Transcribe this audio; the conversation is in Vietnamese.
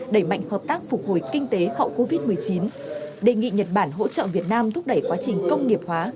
đẩy mạnh hợp tác phục hồi kinh tế hậu covid một mươi chín đề nghị nhật bản hỗ trợ việt nam thúc đẩy quá trình công nghiệp hóa